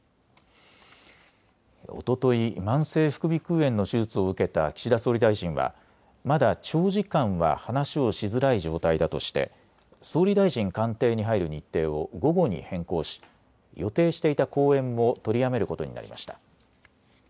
炎の手術を受けた岸田総理大臣はまだ長時間は話をしづらい状態だとして総理大臣官邸に入る日程を午後に変更し予定していた講演も取りやめることになりました。